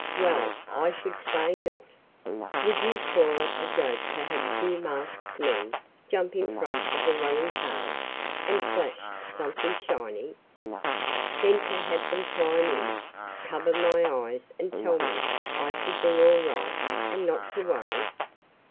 "Well, I should say not! Would you call it a joke to have two masked men jump in front of a running car, and flash something shiny? Then to have them climb in, cover my eyes and tell me I would be all right, and not to worry!"